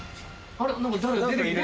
あれ。